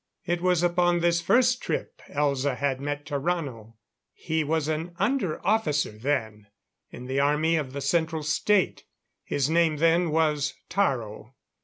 It was upon this first trip Elza had met Tarrano. He was an under officer then, in the Army of the Central State his name then was Taro.